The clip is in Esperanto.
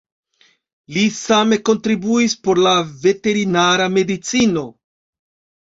Li same kontribuis por la veterinara medicino.